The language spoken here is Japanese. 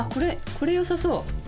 これよさそう。